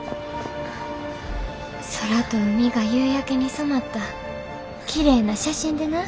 空と海が夕焼けに染まったきれいな写真でな。